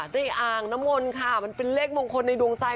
ในอ่างน้ำมนต์ค่ะมันเป็นเลขมงคลในดวงใจ